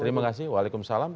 terima kasih waalaikumsalam